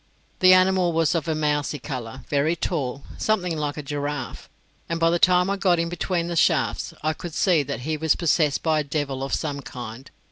The animal was of a mouse colour, very tall, something like a giraffe; and by the time I got him between the shafts, I could see that he was possessed by a devil of some kind.